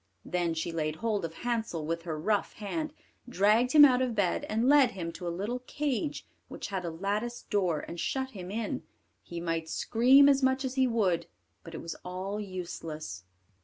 Then she laid hold of Hansel with her rough hand, dragged him out of bed, and led him to a little cage which had a lattice door, and shut him in; he might scream as much as he would, but it was all useless.